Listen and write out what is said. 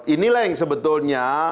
inilah yang sebetulnya